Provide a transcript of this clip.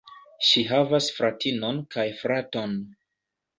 Ŝi havas fratinon kaj fraton.